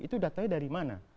itu datanya dari mana